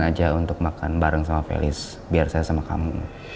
gak ada gara gara untuk makan bareng sama felis biar saya sama kamu